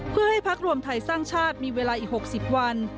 เพื่อให้พักรวมไทยสร้างชาติมีเวลาอีก๖๐วัน